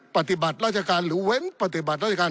ปฏิบัติราชการหรือเว้นปฏิบัติราชการ